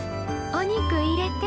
お肉入れて。